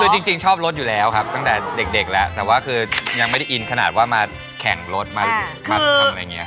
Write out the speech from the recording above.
คือจริงชอบรถอยู่แล้วครับตั้งแต่เด็กแล้วแต่ว่าคือยังไม่ได้อินขนาดว่ามาแข่งรถมาทำอะไรอย่างนี้